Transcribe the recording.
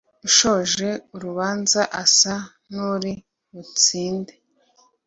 Ushoje urubanza asa n’uri butsinde